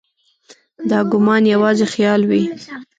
دا ګومان یوازې خیال وي.